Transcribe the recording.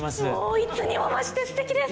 いつにもましてすてきです！